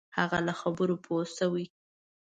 هغه له خبرو پوه شوی.